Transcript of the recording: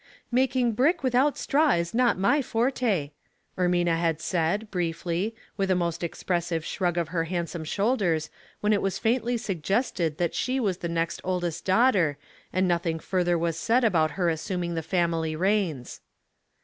*' Making brick without straw is not my forte,'* Erraina had said, briefly, with a most expressive shrug of her handsome shoul ders when it was faintly suggested that she was the next oldest daughter, and nothing further was said about her assuming the family reins.